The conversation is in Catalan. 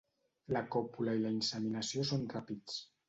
La còpula i la inseminació són ràpids.